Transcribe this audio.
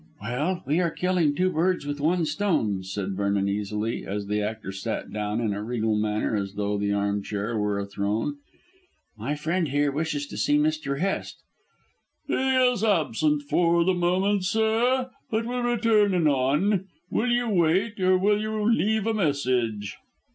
"Well, we are killing two birds with one stone," said Vernon easily, as the actor sat down in a regal manner as though the arm chair were a throne. "My friend here wishes to see Mr. Hest." "He is absent for the moment, sir, but will return anon. Will you wait or will you leave a message."